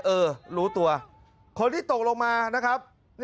เออรู้ตัวคนที่ตกลงมานะครับ